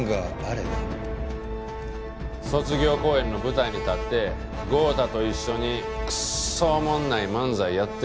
卒業公演の舞台に立って豪太と一緒にクッソおもんない漫才やってるわ。